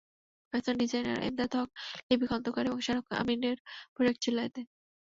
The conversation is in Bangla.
ফ্যাশন ডিজাইনার এমদাদ হক, লিপি খন্দকার এবং শাহরুখ আমিনের পোশাক ছিল এতে।